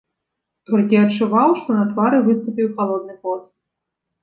Толькі адчуваў, што на твары выступіў халодны пот.